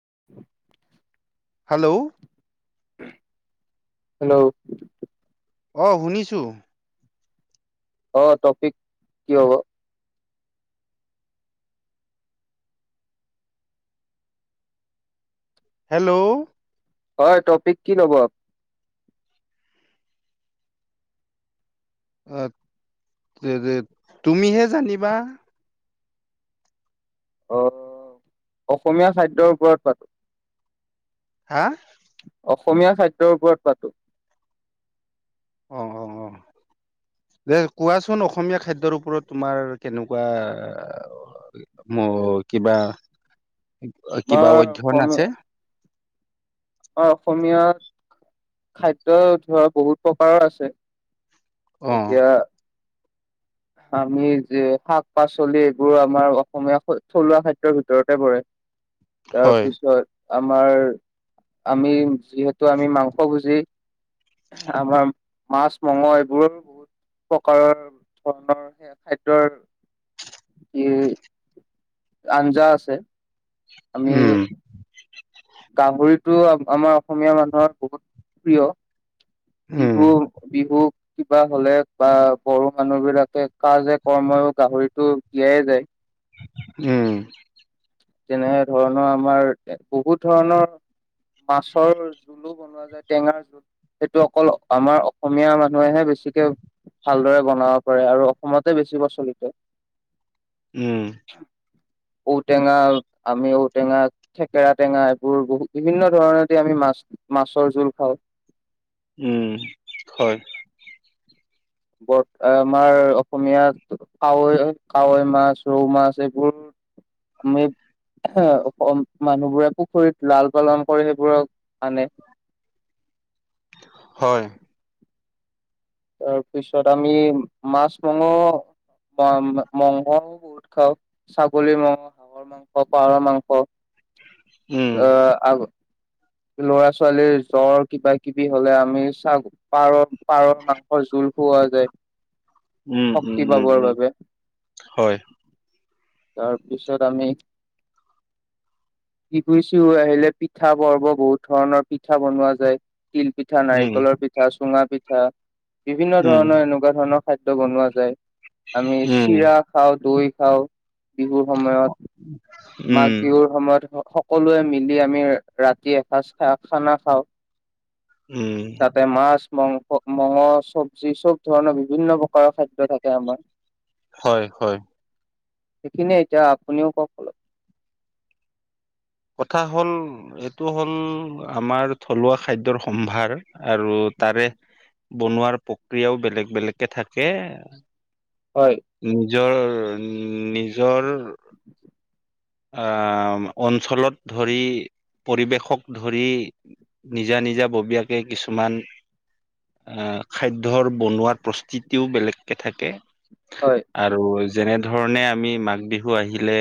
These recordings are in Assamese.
[unintelligible] হেল্ল'? হেল্ল'? অ' শুনিছোঁ। অ' টপিক কি হব? হেল্ল'? হয়, টপিক কি ল'ব? অ'- তেৰে- তুমিহে জানিবা। অ'- অসমীয়া খাদ্যৰ ওপৰত পাতো। হা। অসমীয়া খাদ্যৰ ওপৰত পাতোঁ। অ' - অ' - অ'। [unintelligible] যে কোৱাচোন অসমীয়া খাদ্যৰ ওপৰত তোমাৰ কেনেকুৱা ম- কিবা। [unintelligible] অ'- কিবা আমাৰ অধ্যয়ন আছে? অ' অসমীয়াত খাদ্য ধৰা বহুত প্ৰকাৰৰ আছে। অ এতিয়া আমি যে শাক-পাচলি এইবোৰ আমাৰ অসমীয়া থ- থলুৱা খাদ্যৰ ভিতৰতে পৰে। হয় তাৰপিছত আমাৰ। আমি যিহেতু আমি মাংসভোজি, আমাৰ মাছ-মঙহ এইবোৰ বহুত প্ৰকাৰৰ ধৰণৰ সেয়া খাদ্যৰ। উ, আঞ্জা আছে, আমি উম গাহৰিটো আম-আমাৰ অসমীয়া মানুহৰ বহুত প্ৰিয়। উম বিহু, বিহু কিবা হলে বা বড়ো মানুহ বিলাকে কাজে কৰ্মও গাহৰিতো দিয়াই যায়। উম। তেনে ধৰণৰ আমাৰ এ বহুত ধৰণৰ মাছৰ জোলো বনোৱা যায়, টেঙাৰ জোল সেইটো অকল আমাৰ অসমীয়া মানুহেহে বে বেছিকে ভালদৰে বনাব পাৰে আৰু অসমতে বেছি প্ৰচলিত। উম। ঔ টেঙা আমি ঔটেঙা, থেকেৰা টেঙা এইবোৰ বহুত বিভিন্ন ধৰণেদি আমি মাছ মাছৰ জোল খাওঁ। [inaudible] উম কিউ কিউ হয় কিউ কিউ বৰ আমাৰ অসমীয়াত কাৱৈ-কাৱৈ মাছ, ৰৌ মাছ এইবোৰ আমি এ মানুহবোৰে পুখুৰীত লাল পালন কৰি সেইবোৰক মানে [inaudible] হয় তাৰপিছত আমি মাছ মঙহ ম মঙহ বহুত খাওঁ ছাগলী মঙহ খাওঁ পাৰ মাংস পাৰৰ মাংস উম অহ অহ আগ ল'ৰা ছোৱালীৰ জ্বৰ কিবা কিবি হলে আমি চাগ পাৰৰ- পাৰৰ মাংস জোল খুৱা যায় উম উম শক্তি উম পাবৰ উম বাবে। হয় তাৰপিছত আমি। বিহু চিহুৰ আহিলে পিঠা পৰ্ব বহুত ধৰণৰ পিঠা বনোৱা যায়। তিল পিঠা, উম নাৰিকলৰ পিঠা, চুঙা পিঠা বিভিন্ন উম ধৰণৰ এনেকুৱা ধৰণৰ খাদ্য বনোৱা যায় আমি উম চিৰা খাওঁ দৈ খাওঁ। বিহুৰ সময়ত, উম মাঘ বিহুৰ সময়ত সকলোৱে মিলি আমি ৰাতি এসাঁজ খা, খানা খাওঁ। উম তাতে মাছ মাংস, মঙ চবজি চব ধৰণৰ বিভিন্ন প্ৰকাৰৰ খাদ্য থাকে আমাৰ হয়, হয় সেইখিনে এতিয়া আপুনিও কক অলপ। কথা হ'ল এইটো হ'ল আমাৰ থলুৱা খাদ্যৰ সম্ভাৰ আৰু তাৰে বনোৱাৰ প্ৰক্ৰিয়াও বেলেগ বেলেগকে থাকে। হয়। নিজৰ নিজৰ আহ অঞ্চলত ধৰি পৰিৱেশক ধৰি নিজা -নিজা ববীয়াকে কিছুমান আহ খাদ্যৰ বনোৱাৰ প্ৰস্তুতিও বেলেগকে থাকে। হয়, আৰু যেনে ধৰণে আমি মাঘ বিহু আহিলে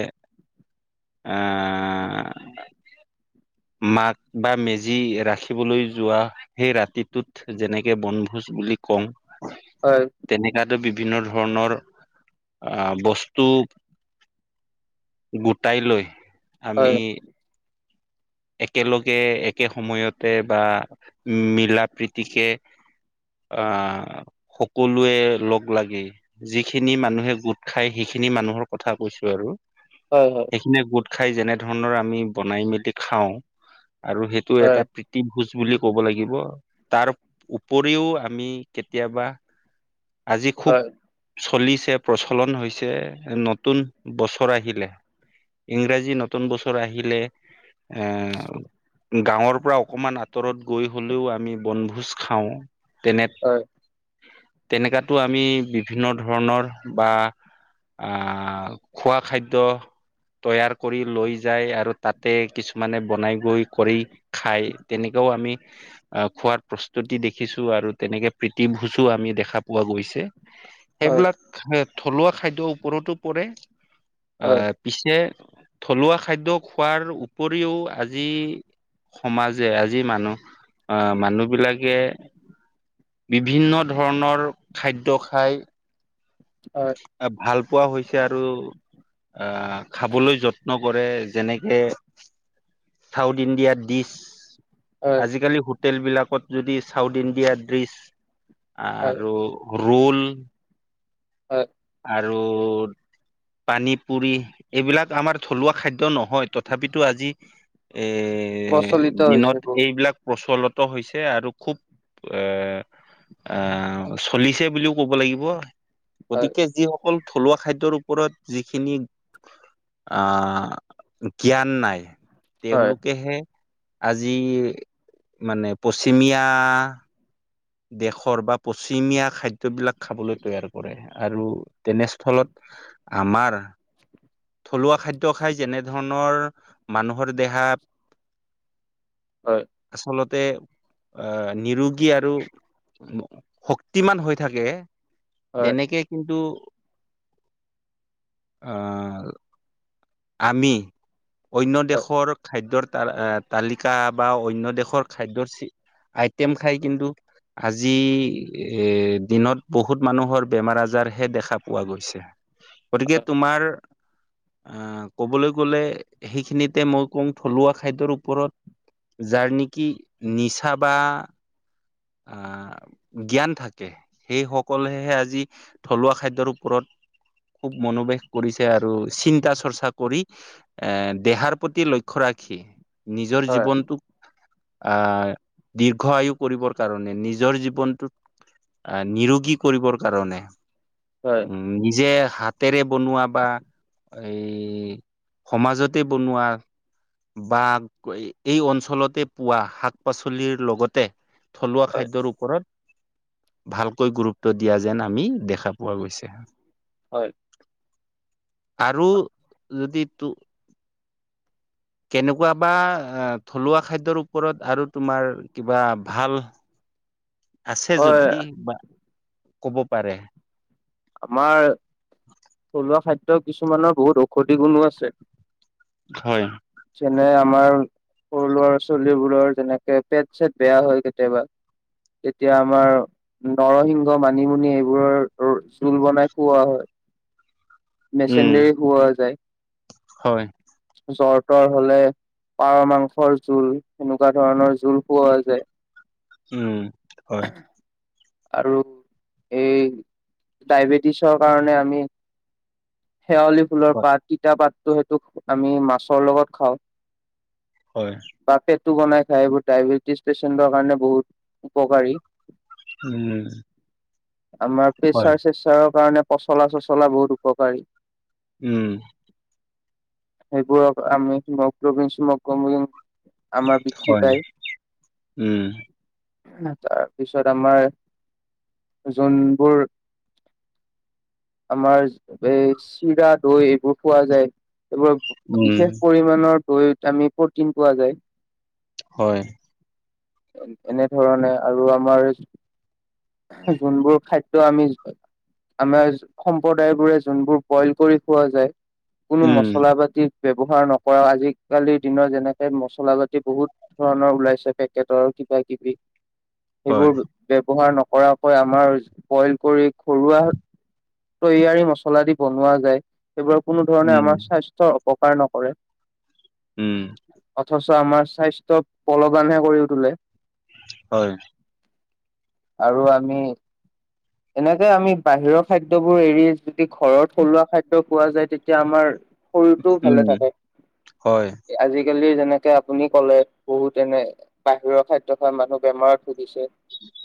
আহ [unintelligible] মাক বা মেজি ৰাখিবলৈ যোৱা সেই ৰাতিটোত যেনেকে বনভোজ বুলি কওঁ হয়, তেনেকাটো বি বিভিন্ন ধৰণৰ বস্তু গোটাই লৈ হয়, আমি একেলগে একে সময়তে বা মিলা প্ৰীতিকে আহ সকলোৱে লগ লাগি যিখিনি মানুহে গোট খাই শিক খিনি মানুহৰ কথা কৈছো আৰু হয়, হয়, সেইখিনিয় গোট খাই যেনে ধৰণৰ আমি বনাই মেলি খাওঁ আৰু সেইটো এটা হয়, প্ৰীতি ভোজ বুলি ক'ব লাগিব তাৰ উপৰিও আমি কেতিয়াবা আজি খুব হয়, চলিছে প্ৰচলন হৈছে নতুন বছৰ আহিলে ইংৰাজী নতুন বছৰ আহিলে এ গাঁৱৰ পৰা অকমান আঁতৰত গৈ হ'লেও আমি বনভোজ খাওঁ। তেনে হয়, তেনেকাতো আমি বিভিন্ন ধৰণৰ বা আহ খোৱা খাদ্য। তৈয়াৰ কৰি লৈ যায় আৰু তাতে কিছু মানে বনাই গৈ কৰি খাই তেনেকাও আমি আহ খোৱাত প্ৰস্তুতি দেখিছো আৰু তেনেকে প্ৰীতিভোজো আমি দেখা পোৱা গৈছে। হয়, সেইবিলাক এ থলুৱা খাদ্যৰ ওপৰতো পৰে হয়, আহ পিছে থলুৱা খাদ্য খোৱাৰ উপৰিও আজি সমাজে আজি মানুহ আহ মানুহ বিলাকে বিভিন্ন ধৰণৰ খাদ্য খাই। ভাল। পোৱা হৈছে আৰু আহ খাবলৈ যত্ন কৰে যেনেকে। South India dish. হয়। আজিকালি হোটেলবিলাকত যদি চাউথ ইণ্ডিয়া ডিছ। হয় আৰু ৰোল। হয়। আৰু। পানী পুৰি এইবিলাক আমাৰ থলুৱা খাদ্য নহয় তথাপিতো আজি। এ প্ৰচলিত হৈছে দিনত বহুত এইবিলাক প্ৰচলত। ত হৈছে আৰু খুব এ। এ চলিছে বুলিও কব লাগিব। হয়। অকল থলুৱা খাদ্যৰ ওপৰত যিখিনি। আহ জ্ঞান নাই হয় তেওঁলোকেহে। আজি মানে পশ্চিমীয়া। দেশৰ বা পশ্চিমীয়া খাদ্যবিলাক খাবলৈ তৈয়াৰ কৰে আৰু তেনেস্থলত। আমাৰ। থলুৱা খাদ্যয় খাই যেনে ধৰণৰ মানুহৰ দেহাত হয় আচলত। তে আহ নিৰোগী আৰু শক্তিমান হৈ থাকে। হয় তেনেকে কিন্তু অহ। আমি অন্য হয় দেশৰ খাদ্যৰ। ত তালিকা বা অন্য দেশৰ খাদ্যৰ আইটেম খাই কিন্তু। আজি এৰ দিনত বহুত মানুহৰ বেমাৰ আজাৰহে দেখা পোৱা গৈছে। গতিকে তোমাৰ। ক'বলৈ গ'লে সেইখিনিতে মই কওঁ থলুৱা খাদ্যৰ ওপৰত। যাৰ নেকি নিচা বা আহ। জ্ঞান থাকে সেই সকলেহে আজি থলুৱা খাদ্যয়ৰ ওপৰত। খুব মনোবেশ কৰিছে আৰু চিন্তা চৰ্চা কৰি এ দেহাৰ প্ৰতি লক্ষ্য ৰাখি। নিজৰ হয় জীৱনটোক আহ দীৰ্ঘ আয়ু কৰিব। কাৰণে নিজৰ জীৱনটোত আহ নিৰোগী কৰিবৰ কাৰণে। হয় উম নিজে। হাতেৰে বনোৱা বা এই সমাজতে বনোৱা। বা এই অঞ্চলতে পোৱা শাক পাচলিৰ লগতে। থলুৱা হয় খাদ্যৰ ওপৰত। ভালকৈ গুৰুত্ব দিয়া যেন আমি দেখা পোৱা গৈছে। হয়। আৰু যদি টো। কেনেকুৱা বা থলুৱা খাদ্যৰ ওপৰত আৰু তোমাৰ কিবা ভাল। আছে হয় যদি বা কব পাৰে। আমাৰ থলুৱা খাদ্য কিছুমানৰ বহুত ঔষধি গুণো আছে। হয়। যেনে আমাৰ সৰু ল'ৰা ছোৱালীবোৰৰ যেনেকে পেট চেট বেয়া হয় কেতিয়াবা। তেতিয়া আমাৰ নৰসিংহ মানিমুনি এইবোৰৰ। উম। মেচেঞ্জাৰি হোৱা যায়। হয়। জৰ তৰ হলে পাৰ মাংসৰ জোল কেনেকুৱা ধৰণৰ জোল খুৱা হয় যে। উম হয়। আৰু এই। ডায়বেটিছৰ কাৰণে আমি শেৱালি ফুলৰ হয়, পাত তিতা পাত ত সেইটো আমি মাছৰ লগত খাওঁ হয় টো বনাই খাই এইবোৰ ডায়বেটিছ পেচেণ্টৰ কাৰণে বহুত উপকাৰী উম আমাৰ হয়, প্ৰেচাৰ চেচাৰৰ কাৰণে পচলা চচলা বহুত উপকাৰী উম সেইবোৰক আমি হিমগ্লবিন হিমগ্লবিন - আমাৰ বৃদ্ধি হয়, পায়। উম, তাৰপিছত আমাৰ যোনবোৰ আমাৰ এই চিৰা দৈ এইবোৰ পোৱা যায়। এইবোৰ উম, বিশেষ পৰিমাণৰ দৈত আমি প্ৰটিন পোৱা যায়। হয়। এনেধৰণে আৰু আমাৰ যোনবোৰ খাদ্য আমি- আমাৰ সম্প্ৰদায়বোৰে যোনবোৰ বইল কৰি খোৱা যায় কোনো উম, মছলা পাতি- ব্যৱহাৰ নকৰাও আজিকালিৰ দিনত যেনেকে মচলা জাতি বহুত ধৰণৰ ওলাইছে পেকেটৰ- কিবা কিবি সেইবোৰ হয়, ব্যৱহাৰ নক- কৰাকৈ আমাৰ বইল কৰি ঘৰুৱা- তৈয়াৰী মছলা দি বনোৱা যায়। সেইবোৰ কোনো ধৰণে উম। আমাৰ স্বাস্থ্যৰ অপকাৰ নকৰে উম, অথচ আমাৰ স্বাস্থ্য বলৱানহে কৰি তোলে হয়। আৰু আমি- এনেকে আমি বাহিৰৰ খাদ্যবোৰ এৰি যদি ঘৰৰ থলুৱা খাদ্য পোৱা যায় তেতিয়া আমাৰ- শৰীৰটো ভালে উম, থাকে হয়, আজিকালি যে এনেকে আপুনি ক'লে বহুত এনে বাহিৰৰ খাদ্য খাই মানুহ বেমাৰত ভুগিছে-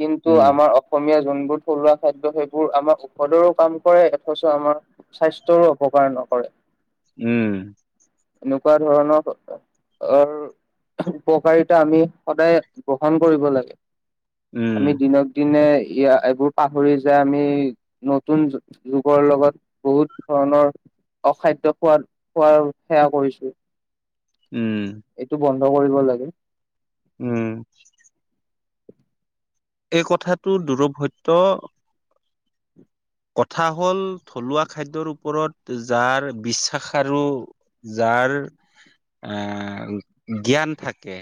কিন্তু উম, আমাৰ অসমীয়া- যোনবোৰ থলুৱা খাদ্য সেইবোৰ আমাৰ ঔষধৰো, কাম কৰে। অথচ আমাৰ স্বাস্থ্যৰো অপকাৰ নহয়। কৰে। উম এনেকোৱা ধৰণৰ উপকাৰিতা আমি সদায় গ্ৰহণ কৰিব লাগে উম। আমি দিনক দিনে। ই এইবোৰ পাহৰি যে আমি নতুন যুগৰ লগত বহুত ধৰণৰ খাদ্য খোৱাত খোৱাৰ সেৱা কৰিছো উম এইটো বন্ধ কৰিব লাগে। উম এই কথাটো দূৰভ সত্য- কথা হ'ল থলুৱা খাদ্যৰ ওপৰত যাৰ বিশ্বাস আৰু যাৰ। তাৰ অহ জ্ঞান থাকে।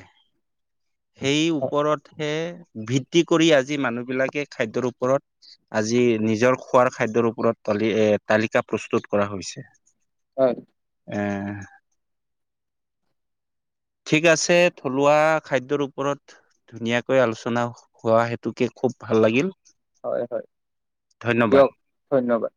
সেই হয় ওপৰতহে- ভিত্তি কৰি আজি মানুহ বিলাকে খাদ্যৰ ওপৰত আজি নিজৰ খোৱাৰ খাদ্যৰ ওপৰত- তালি তালিকা প্ৰস্তুত কৰা হৈছে- হয়। এ ঠিক আছে থলুৱা খাদ্যৰ ওপৰত ধুনীয়াকৈ আলোচনা হোৱা হেতুকে- খুব ভাল লাগিল- হয় হয় ধন্যবাদ। দিয়ক ধন্যবাদ।